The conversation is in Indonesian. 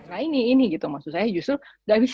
nah ini ini gitu maksud saya justru